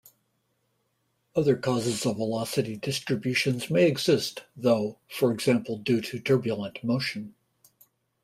Other causes of velocity distributions may exist, though, for example due to turbulent motion.